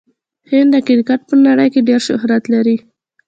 هند د کرکټ په نړۍ کښي ډېر شهرت لري.